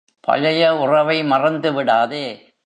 பழைய உறவை மறந்து விடாதே.